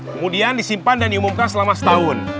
kemudian disimpan dan diumumkan selama setahun